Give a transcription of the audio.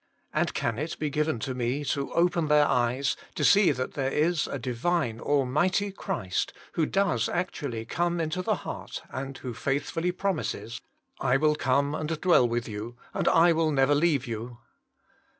And can it be given to me to open their eyes to see that there is a Divine, Almighty Christ, who does actually come into the heart and who faithfully promises, *' I will come and dwell with you, and I will never leave you?